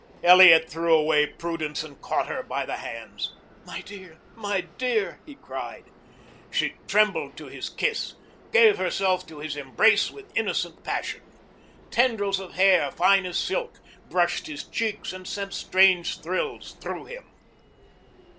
Elliot threw away prudence and caught her by the hands. "My dear my dear!" he cried. She trembled to his kiss, gave herself to his embrace with innocent passion. Tendrils of hair, fine as silk, brushed his cheeks and sent strange thrills through him.